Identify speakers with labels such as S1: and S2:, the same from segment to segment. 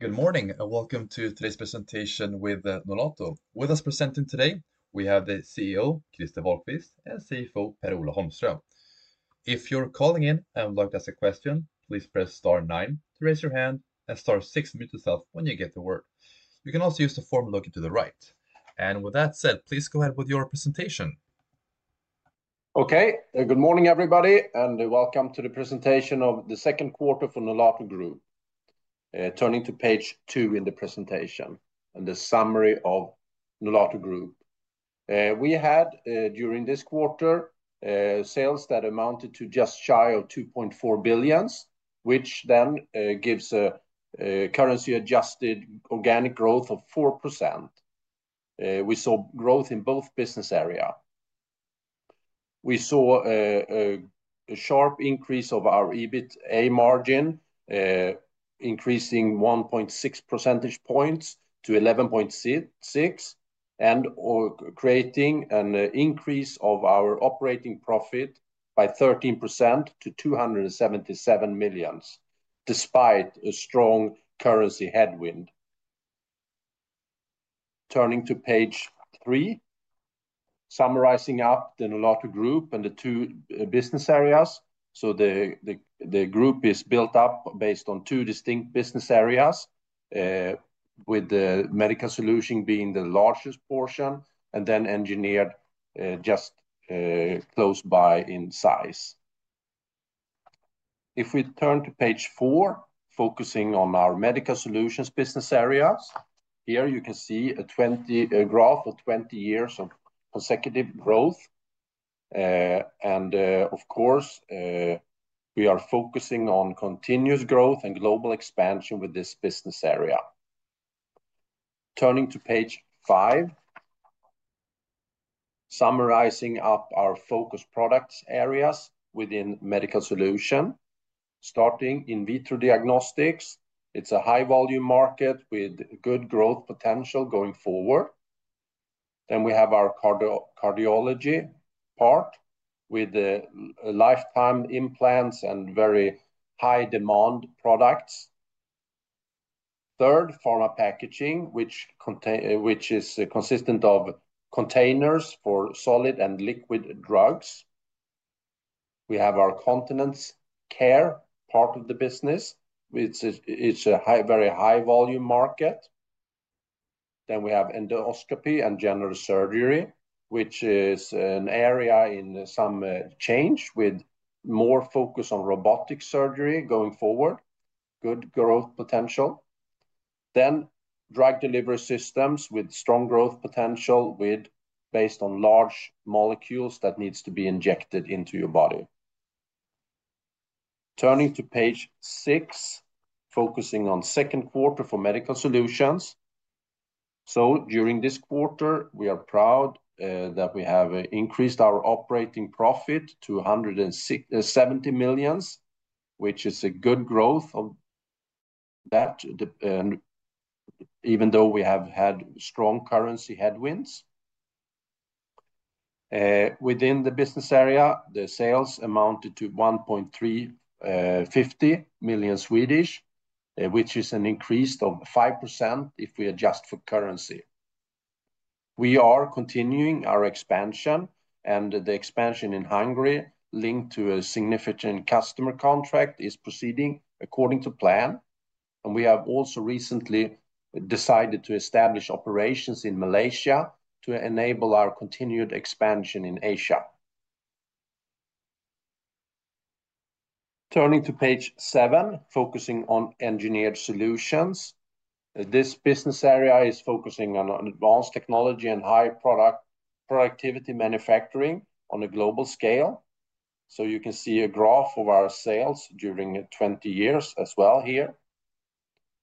S1: Good morning and welcome to today's presentation with Nolato. With us presenting today, we have the CEO, Christer Wahlquist, and CFO, Per-Ola Holmström. If you're calling in and would like to ask a question, please press star nine to raise your hand and star six to mute yourself when you get to work. You can also use the form located to the right. With that said, please go ahead with your presentation.
S2: Okay. Good morning, everybody, and welcome to the presentation of the second quarter for Nolato Group. Turning to page two in the presentation, and the summary of Nolato Group. We had, during this quarter, sales that amounted to just shy of 2.4 billion, which then gives a currency-adjusted organic growth of 4%. We saw growth in both business areas. We saw a sharp increase of our EBITDA margin, increasing 1.6 percentage points to 11.6%, and creating an increase of our operating profit by 13% to 277 million, despite a strong currency headwind. Turning to page three, summarizing up the Nolato Group and the two business areas. The group is built up based on two distinct business areas, with Medical Solution being the largest portion and then Engineered just close by in size. If we turn to page four, focusing on our Medical Solutions business area, here you can see a graph of 20 years of consecutive growth. Of course, we are focusing on continuous growth and global expansion with this business area. Turning to page five, summarizing up our focus product areas within Medical Solution, starting in vitro diagnostics. It's a high-volume market with good growth potential going forward. We have our cardiology part with lifetime implants and very high-demand products. Third, pharma packaging, which is consistent of containers for solid and liquid drugs. We have our continence care part of the business, which is a very high-volume market. We have endoscopy and general surgery, which is an area in some change with more focus on robotic surgery going forward. Good growth potential. Drug delivery systems with strong growth potential based on large molecules that need to be injected into your body. Turning to page six, focusing on second quarter for Medical Solutions. During this quarter, we are proud that we have increased our operating profit to 170 million, which is a good growth of that, even though we have had strong currency headwinds. Within the business area, the sales amounted to 1.350 million, which is an increase of 5% if we adjust for currency. We are continuing our expansion, and the expansion in Hungary linked to a significant customer contract is proceeding according to plan. We have also recently decided to establish operations in Malaysia to enable our continued expansion in Asia. Turning to page seven, focusing on Engineered Solutions. This business area is focusing on advanced technology and high product productivity manufacturing on a global scale. You can see a graph of our sales during the twenty years as well here.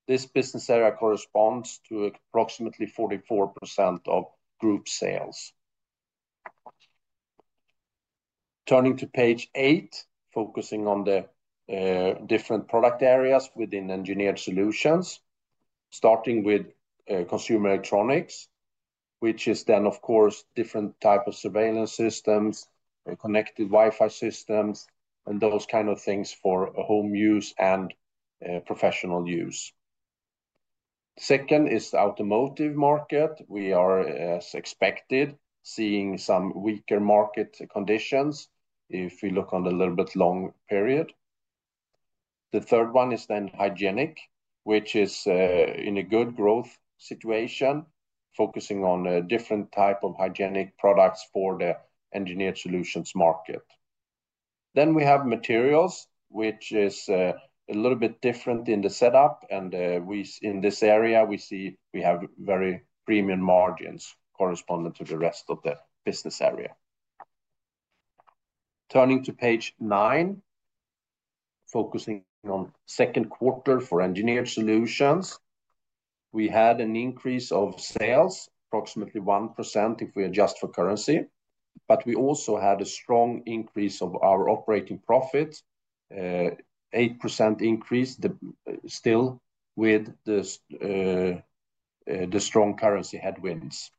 S2: This business area corresponds to approximately 44% of group sales. Turning to page eight, focusing on the different product areas within Engineered Solutions, starting with consumer electronics, which is, of course, different types of surveillance systems, connected Wi-Fi systems, and those kinds of things for home use and professional use. Second is the automotive market. We are, as expected, seeing some weaker market conditions if we look on a little bit long period. The third one is hygienic, which is in a good growth situation, focusing on a different type of hygienic products for the Engineered Solutions market. We have materials, which is a little bit different in the setup. In this area, we see we have very premium margins corresponding to the rest of the business area. Turning to page nine, focusing on the second quarter for Engineered Solutions. We had an increase of sales, approximately 1% if we adjust for currency. We also had a strong increase of our operating profits, 8% increase, still with the strong currency headwinds.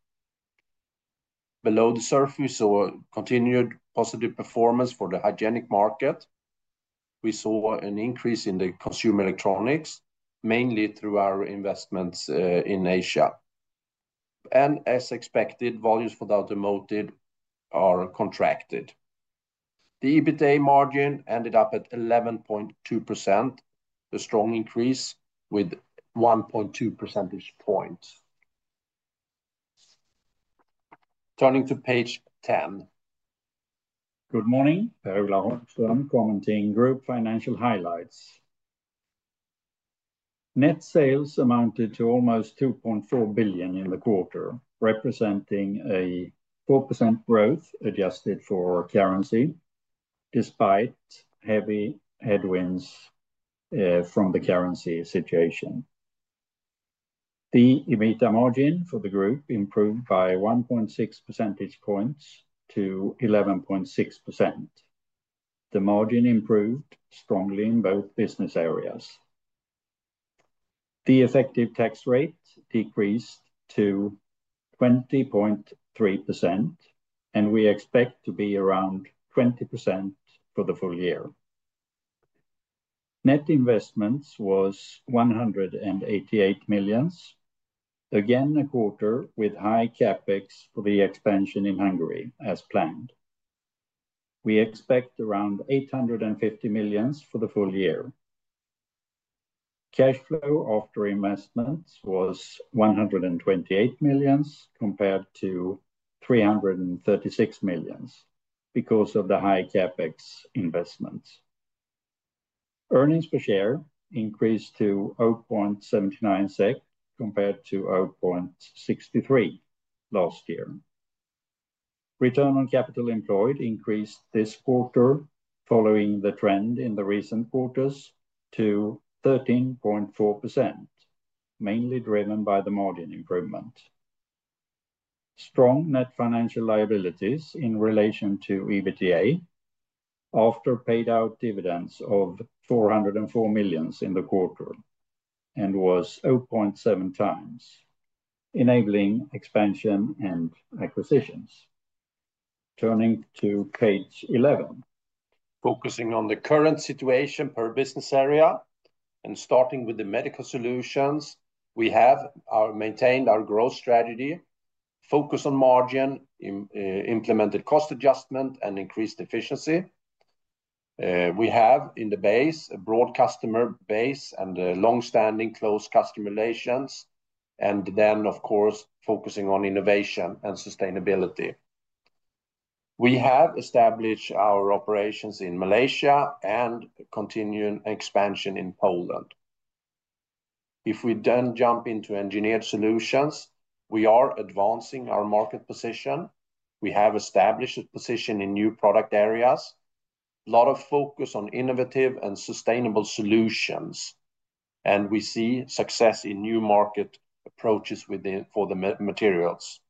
S2: Below the surface, continued positive performance for the hygienic market. We saw an increase in the consumer electronics, mainly through our investments in Asia. As expected, volumes for the automotive are contracted. The EBITDA margin ended up at 11.2%, a strong increase with 1.2 percentage points. Turning to page ten.
S3: Good morning. Per-Ola Holmström commenting group financial highlights. Net sales amounted to almost 2.4 billion in the quarter, representing a 4% growth adjusted for currency despite heavy headwinds from the currency situation. The EBITDA margin for the group improved by 1.6 percentage points to 11.6%. The margin improved strongly in both business areas. The effective tax rate decreased to 20.3%, and we expect to be around 20% for the full year. Net investments were 188 million, again a quarter with high CapEx for the expansion in Hungary as planned. We expect around 850 million for the full year. Cash flow after investments was 128 million compared to 336 million because of the high CapEx investments. Earnings per share increased to 0.79 SEK compared to 0.63 last year. Return on capital employed increased this quarter following the trend in the recent quarters to 13.4%, mainly driven by the margin improvement. Strong net financial liabilities in relation to EBITDA after paid-out dividends of 404 million in the quarter and was 0.7x, enabling expansion and acquisitions. Turning to page eleven, focusing on the current situation per business area, and starting with Medical Solutions, we have maintained our growth strategy, focused on margin, implemented cost adjustment, and increased efficiency. We have in the base a broad customer base and longstanding close customer relations. Of course, focusing on innovation and sustainability. We have established our operations in Malaysia and continue expansion in Poland. If we then jump into Engineered Solutions, we are advancing our market position. We have established a position in new product areas, a lot of focus on innovative and sustainable solutions. We see success in new market approaches for the materials.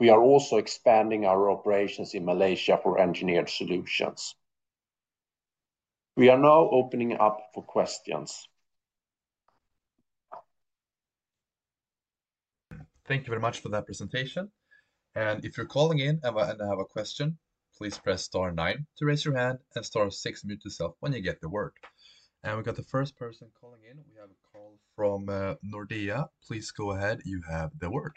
S3: We are also expanding our operations in Malaysia for Engineered Solutions. We are now opening up for questions.
S1: Thank you very much for that presentation. If you're calling in and have a question, please press star nine to raise your hand and star six to mute yourself when you get the word. We've got the first person calling in. We have from Nordea. Please go ahead. You have the word.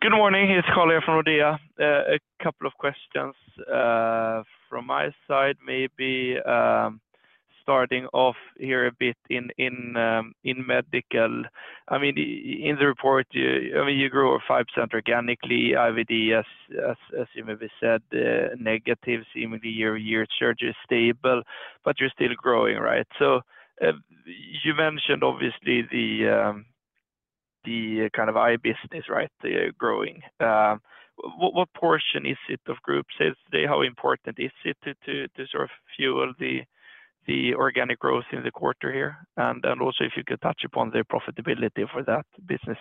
S1: Good morning. Here's Colin from Nordea. A couple of questions from my side. Maybe starting off here a bit in Medical. I mean, in the report, you grew over 5% organically. IVD, as you maybe said, negative. Seemingly, year-to-year charges stable, but you're still growing, right? You mentioned, obviously, the kind of eye business, right, growing. What portion is it of group? How important is it to sort of fuel the organic growth in the quarter here? Also, if you could touch upon the profitability for that business.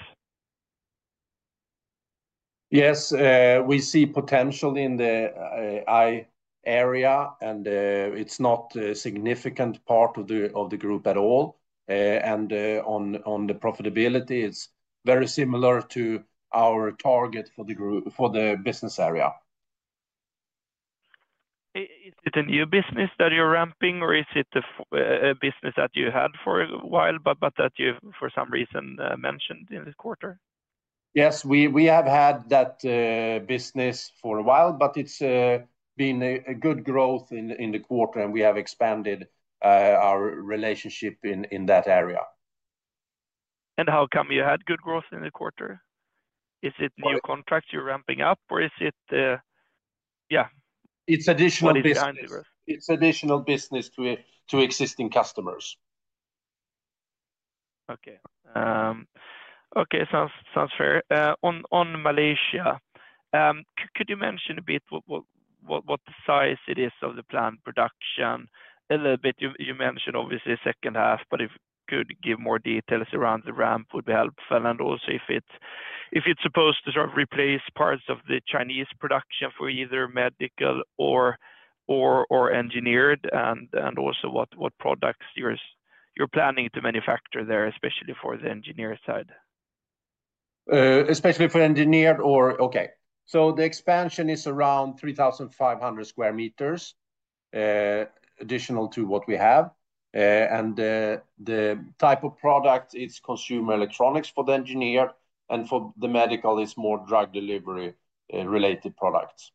S2: Yes, we see potential in the eye area, and it's not a significant part of the group at all. On the profitability, it's very similar to our target for the group, for the business area. Is it a new business that you're ramping, or is it a business that you had for a while, but that you, for some reason, mentioned in this quarter? Yes, we have had that business for a while, but it's been a good growth in the quarter, and we have expanded our relationship in that area. How come you had good growth in the quarter? Is it new contracts you're ramping up, or is it, what's the driver? It's additional business to existing customers. Okay. Okay. Sounds fair. On Malaysia, could you mention a bit what the size is of the planned production? You mentioned, obviously, second half, but if you could give more details around the ramp, it would be helpful. Also, if it's supposed to sort of replace parts of the Chinese production for either medical or engineered, and what products you're planning to manufacture there, especially for the engineered side. Especially for engineered, the expansion is around 3,500 sq m, additional to what we have. The type of product is consumer electronics for the engineered, and for the medical, it's more drug delivery-related products.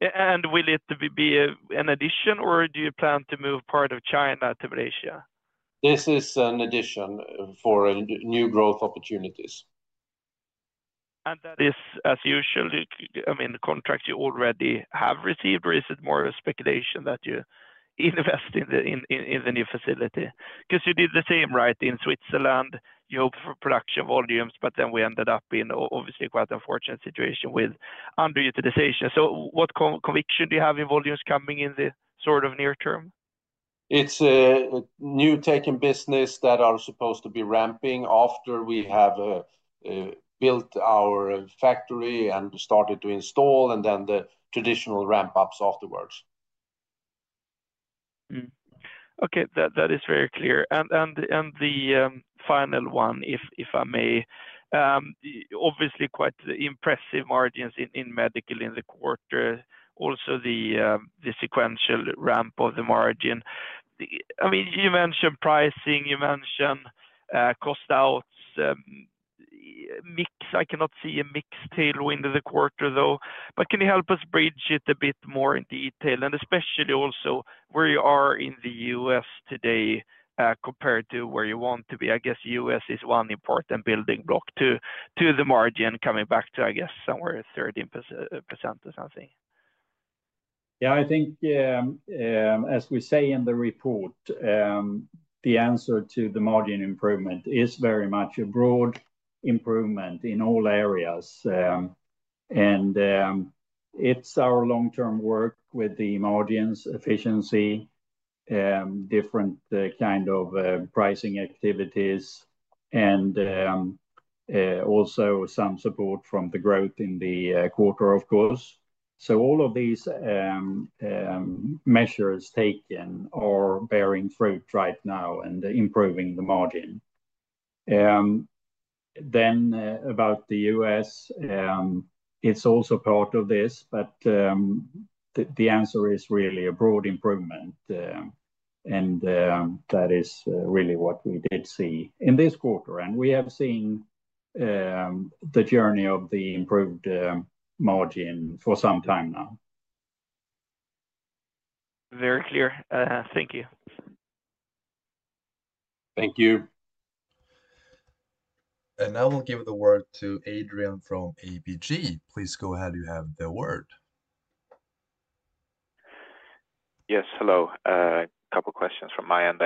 S2: Will it be an addition, or do you plan to move part of China to Malaysia? This is an addition for new growth opportunities. Is the contract you already have received, or is it more of a speculation that you invest in the new facility? You did the same in Switzerland; you hope for production volumes, but then we ended up in quite an unfortunate situation with underutilization. What conviction do you have in volumes coming in sort of near term? It's a new take-in business that are supposed to be ramping after we have built our factory and started to install, and then the traditional ramp-ups afterwards. Okay, that is very clear. The final one, if I may, obviously, quite the impressive margins in Medical in the quarter. Also, the sequential ramp of the margin. I mean, you mentioned pricing, you mentioned cost outs. I cannot see a mixed tailwind in the quarter, though. Can you help us bridge it a bit more in detail, and especially also where you are in the U.S. today compared to where you want to be? I guess the U.S. is one important building block to the margin, coming back to, I guess, somewhere at 13% or something.
S3: Yeah. I think, as we say in the report, the answer to the margin improvement is very much a broad improvement in all areas. It's our long-term work with the margins, efficiency, different kind of pricing activities, and also some support from the growth in the quarter, of course. All of these measures taken are bearing fruit right now and improving the margin. About the U.S., it's also part of this, but the answer is really a broad improvement. That is really what we did see in this quarter, and we have seen the journey of the improved margin for some time now. Very clear. Thank you.
S2: Thank you.
S1: Now we'll give the word to Adrian from ABG. Please go ahead. You have the word. Yes. Hello. A couple of questions from my end.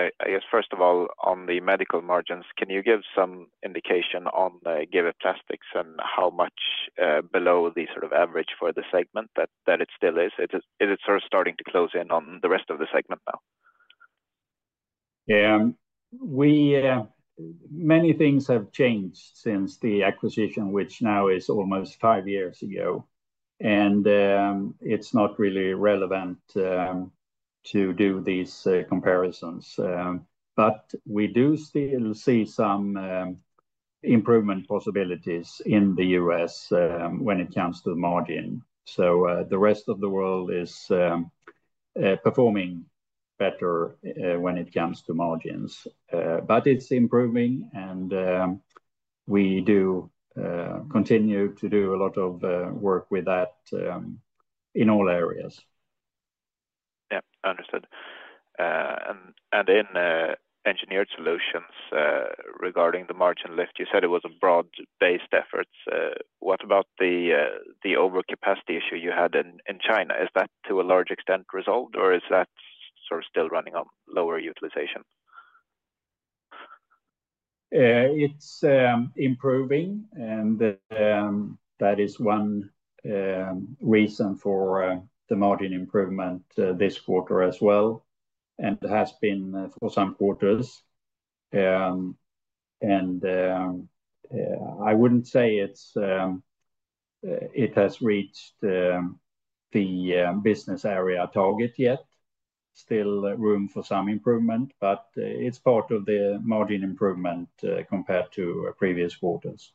S1: First of all, on the medical margins, can you give some indication on GW Plastics and how much below the sort of average for the segment that it still is? Is it sort of starting to close in on the rest of the segment now?
S3: Yeah. Many things have changed since the acquisition, which now is almost five years ago. It's not really relevant to do these comparisons. We do still see some improvement possibilities in the U.S. when it comes to the margin. The rest of the world is performing better when it comes to margins. It's improving, and we do continue to do a lot of work with that in all areas. Yeah. Understood. In Engineered Solutions, regarding the margin lift, you said it was a broad-based effort. What about the overcapacity issue you had in China? Is that to a large extent resolved, or is that sort of still running on lower utilization? It's improving, which is one reason for the margin improvement this quarter as well. It has been for some quarters. I wouldn't say it has reached the business area target yet. There is still room for some improvement, but it's part of the margin improvement compared to previous quarters.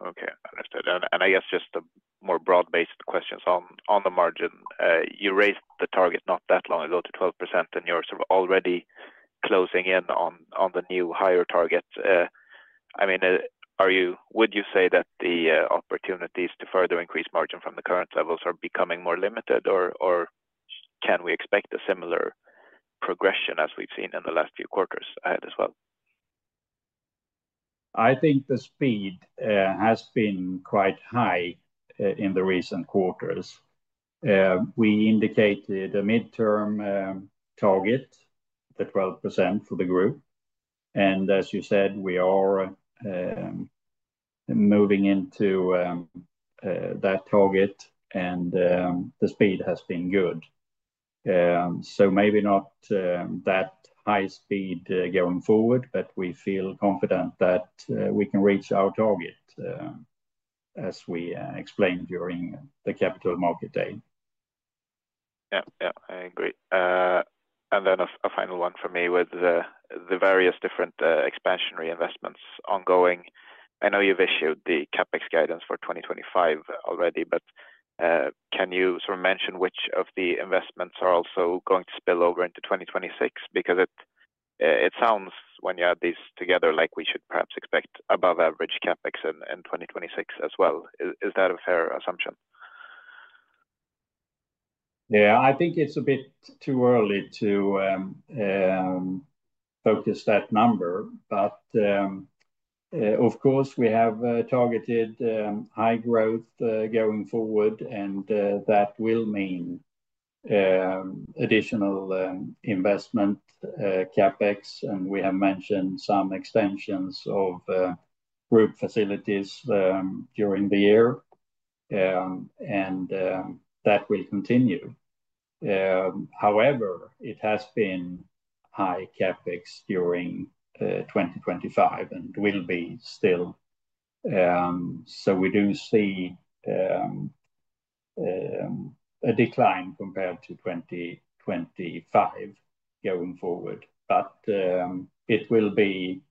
S3: Okay. Understood. I guess just the more broad-based questions on the margin. You raised the target not that long ago to 12%, and you're sort of already closing in on the new higher target. I mean, would you say that the opportunities to further increase margin from the current levels are becoming more limited, or can we expect a similar progression as we've seen in the last few quarters ahead as well? I think the speed has been quite high in the recent quarters. We indicated a midterm target to 12% for the group. As you said, we are moving into that target, and the speed has been good. Maybe not that high speed going forward, but we feel confident that we can reach our target as we explained during the capital market day. Yeah, I agree. A final one for me with the various different expansionary investments ongoing. I know you've issued the CapEx guidance for 2025 already, but can you sort of mention which of the investments are also going to spill over into 2026? It sounds, when you add these together, like we should perhaps expect above-average CapEx in 2026 as well. Is that a fair assumption? Yeah. I think it's a bit too early to focus that number. Of course, we have targeted high growth going forward, and that will mean additional investment CapEx. We have mentioned some extensions of group facilities during the year, and that will continue. However, it has been high CapEx during 2025 and will be still. We do see a decline compared to 2025 going forward, but it will be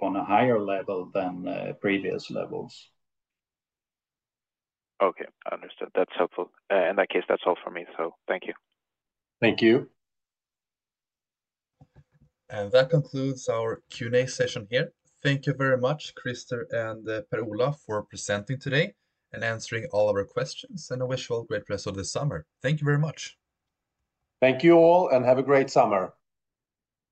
S3: on a higher level than previous levels. Okay. Understood. That's helpful. In that case, that's all for me, so thank you.
S2: Thank you.
S1: That concludes our Q&A session here. Thank you very much, Christer and Per-Ola, for presenting today and answering all of our questions. I wish you all a great rest of the summer. Thank you very much.
S2: Thank you all, and have a great summer.